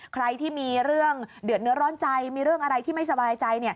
ใครที่มีเรื่องเดือดเนื้อร้อนใจมีเรื่องอะไรที่ไม่สบายใจ